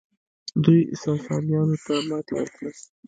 دوی ساسانیانو ته ماتې ورکړه